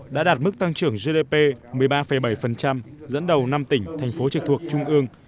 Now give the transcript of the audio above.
đã đạt mức tăng trưởng gdp một mươi ba bảy dẫn đầu năm tỉnh thành phố trực thuộc trung ương